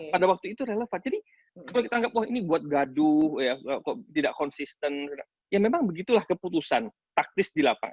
pada waktu itu relevan jadi coba kita anggap wah ini buat gaduh tidak konsisten ya memang begitulah keputusan taktis di lapangan